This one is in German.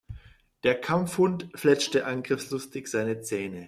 Der Kampfhund fletschte angriffslustig seine Zähne.